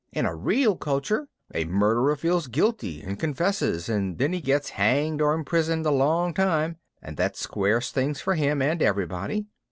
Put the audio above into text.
In a real culture a murderer feels guilty and confesses and then he gets hanged or imprisoned a long time and that squares things for him and everybody.